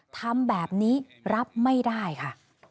ทำแบบนี้รับไม่ได้ค่ะ